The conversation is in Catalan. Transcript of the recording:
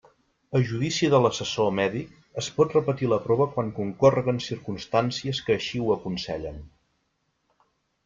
A judici de l'assessor mèdic es pot repetir la prova quan concórreguen circumstàncies que així ho aconsellen.